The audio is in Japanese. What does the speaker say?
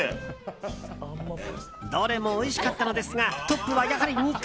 どれもおいしかったのですがトップは、やはり肉。